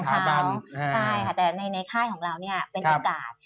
ใช่ค่ะแต่ในค่ายของเราเนี่ยเป็นโอกาส